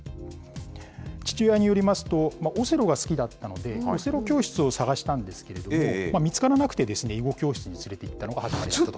父親によりますと、オセロが好きだったので、オセロ教室を探したんですけれども、見つからなくて、囲碁教室に連れていったのが始まりだと。